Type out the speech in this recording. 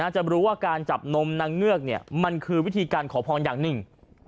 จะรู้ว่าการจับนมนางเงือกมันคือวิธีการขอพรอย่างหนึ่ง